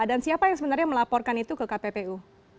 dan siapa yang sebenarnya melaporkan itu ke kppu